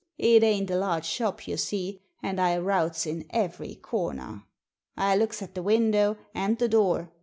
It ain't a large shop, you see, and I routs in every comer. I looks at the window and the door.